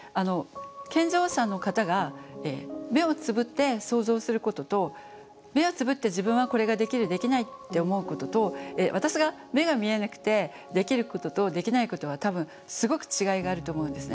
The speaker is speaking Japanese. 健常者の方が目をつぶって想像することと目をつぶって自分はこれができるできないって思うことと私が目が見えなくてできることとできないことは多分すごく違いがあると思うんですね。